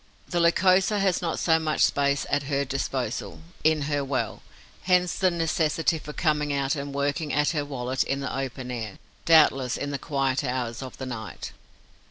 The Lycosa has not so much space at her disposal, in her well; hence the necessity for coming out and working at her wallet in the open air, doubtless in the quiet hours of the night.